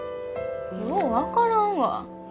よう分からんわ。